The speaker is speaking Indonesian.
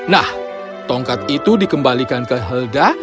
nah tongkat itu dikembalikan ke helda